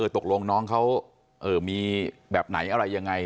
ตกลงน้องเขามีแบบไหนอะไรยังไง